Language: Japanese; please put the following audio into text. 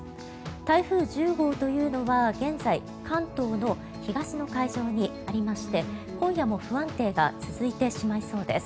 台風１０号は現在関東の東の海上にありまして今夜も不安定が続いてしまいそうです。